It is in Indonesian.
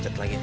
ya bang macet